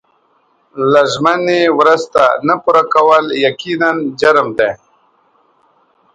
له ژمنې وروسته نه پوره کول یقیناً جرم دی.